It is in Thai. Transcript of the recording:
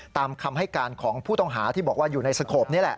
ตามคำให้การของผู้ต้องหาที่บอกว่าอยู่ในสโขปนี่แหละ